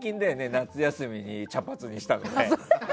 夏休みに茶髪にしたのは。